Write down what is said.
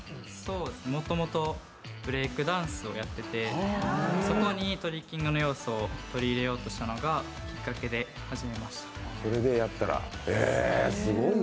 もともとブレークダンスをやっていて、そこにトリッキングの要素を取り入れようとしたのがきっかけで始めました。